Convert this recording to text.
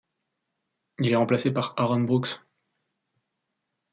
Il est remplacé par Aaron Brooks.